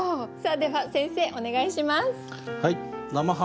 では先生お願いします。